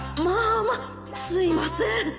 まあまあすいません